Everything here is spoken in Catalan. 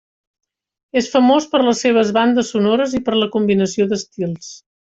És famós per les seves bandes sonores i per la combinació d'estils.